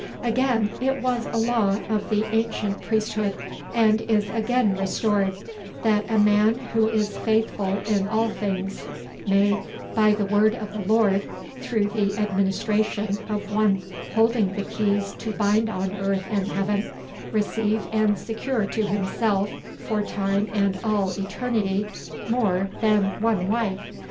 Again, it was a law of the ancient Priesthood, and is again restored, that a man who is faithful in all things, may, by the word of the Lord, through the administration of one holding the keys to bind on earth and heaven, receive and secure to himself, for time and all eternity, MORE THAN ONE WIFE.